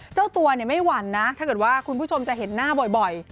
เจ้าตัวไม่หวั่นนะถ้าเกิดว่าคุณผู้ชมจะเห็นหน้าบ่อย